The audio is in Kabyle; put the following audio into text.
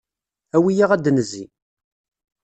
Awi-yaɣ ad d-nezzi.